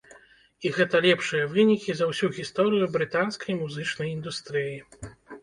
І гэта лепшыя вынікі за ўсю гісторыю брытанскай музычнай індустрыі.